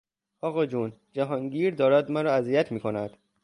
آقاجون، جهانگیر دارد مرا اذیت میکند!